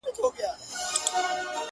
ړنده شې دا ښېرا ما وکړله پر ما دې سي نو.